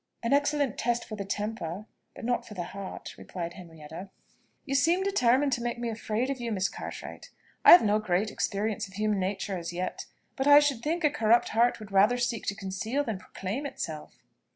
"An excellent test for the temper, but not for the heart," replied Henrietta. "You seem determined to make me afraid of you, Miss Cartwright. I have no great experience of human nature as yet; but I should think a corrupt heart would rather seek to conceal than proclaim itself."